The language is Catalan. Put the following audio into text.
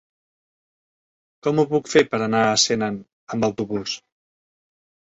Com ho puc fer per anar a Senan amb autobús?